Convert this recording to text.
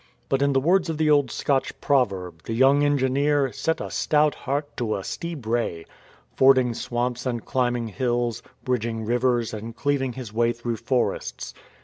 But in the words of the old Scotch proverb, the young engineer "set a stout heart to a stey brae"" — fording swamps and climbing hills, bridging rivers and cleaving his way through forests.